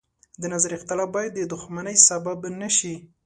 د نظر اختلاف باید د دښمنۍ سبب نه شي.